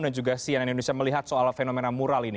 dan juga cnn indonesia melihat soal fenomena moral ini